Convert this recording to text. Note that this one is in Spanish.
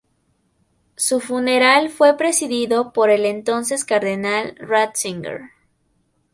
Su funeral fue presidido por el entonces cardenal Ratzinger.